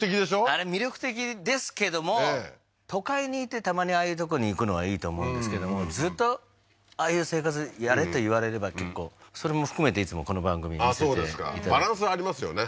あれ魅力的ですけども都会にいてたまにああいうとこに行くのはいいと思うんですけどもずっとああいう生活やれと言われれば結構それも含めていつもこの番組見ててバランスありますよね